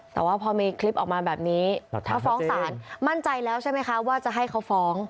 แต่ว่าพอมีคลิปออกมาแบบนี้ถ้าฟ้องศาลมั่นใจแล้วใช่ไหมคะว่าจะให้เขาฟ้อง